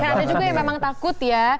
karena ada juga yang memang takut ya